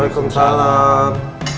lagi pada makan ya pak